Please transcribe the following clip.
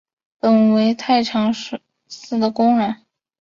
本为太常寺的工人。